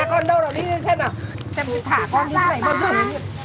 ở nhà con đâu rồi đi xem nào